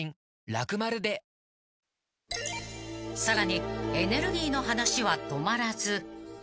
［さらにエネルギーの話は止まらず］